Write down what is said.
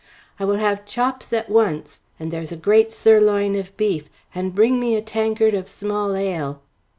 "I will have chops at once, and there's a great sirloin of beef, and bring me a tankard of small ale."